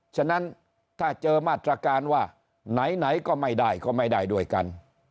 ฉะนั้นถ้าเจอมาตรการว่าไหนก็ไม่ได้ก็ไม่ได้ด้วยกัน